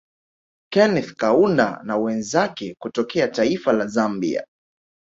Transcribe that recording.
Keneth Kaunda na wenzake kutokea taifa La Zambia